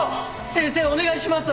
先生お願いします！